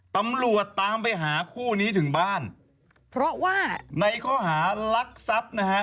ตำรวจตามไปหาคู่นี้ถึงบ้านเพราะว่าในข้อหารักทรัพย์นะฮะ